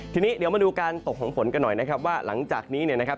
ทีนี้เดี๋ยวมาดูการตกของฝนกันหน่อยนะครับว่าหลังจากนี้เนี่ยนะครับ